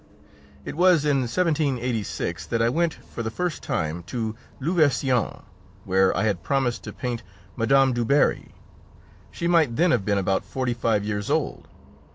It was in 1786 that I went for the first time to Louveciennes, where I had promised to paint Mme. Du Barry. She might then have been about forty five years old.